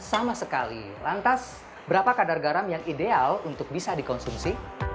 sama sekali lantas berapa kadar garam yang ideal untuk bisa dikonsumsi